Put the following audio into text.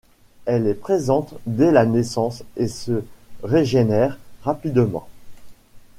Elle est présente dès la naissance et se régénère rapidement.